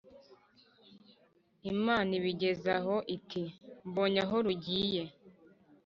imana iba igeze aho iti:” mbonye aho rugiye.